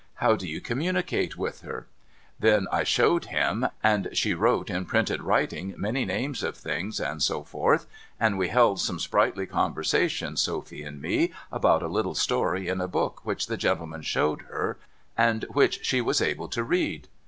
How do you communicate with her?' Then I showed 394 DOCTOR MARIGOLD him, and she wrote in printed writing many names of things and so forth ; and we held some spriglitly conversation, Sophy and me, ahout a Httle story in a book which the gentleman showed her, and whic h she was able to read.